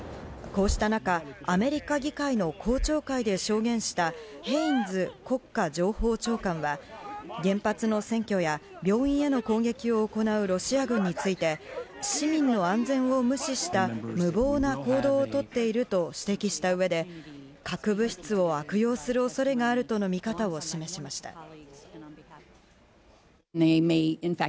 こうした中、アメリカ議会の公聴会で証言したヘインズ国家情報長官は、原発の占拠や病院への攻撃を行うロシア軍について市民の安全を無視した無謀な行動をとっていると指摘した上で、核物質を悪用する恐れがあるとの見方を示しました。